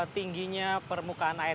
tingginya permukaan air